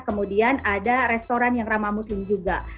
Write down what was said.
kemudian ada restoran yang ramah muslim juga